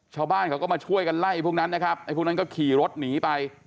ชาวบ้านเขาก็มาช่วยกันไล่พวกนั้นนะครับไอ้พวกนั้นก็ขี่รถหนีไป